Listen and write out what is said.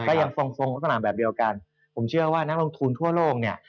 ก็ยังทรงทรงลักษณะแบบเดียวกันผมเชื่อว่านักลงทุนทั่วโลกเนี่ย